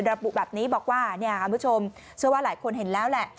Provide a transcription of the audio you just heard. ระบุแบบนี้บอกว่าเนี่ยคุณผู้ชมเชื่อว่าหลายคนเห็นแล้วแหละ